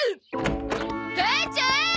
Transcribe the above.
母ちゃん！